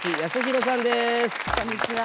こんにちは。